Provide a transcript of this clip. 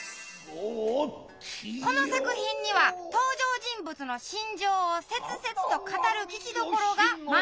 この作品には登場人物の心情を切々と語る聴きどころが満載。